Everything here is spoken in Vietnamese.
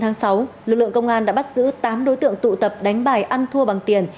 từ ngày một mươi chín tháng sáu lực lượng công an đã bắt giữ tám đối tượng tụ tập đánh bài ăn thua bằng tiền